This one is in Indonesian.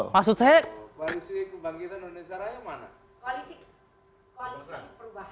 maksud saya koalisi kebangkitan indonesia raya mana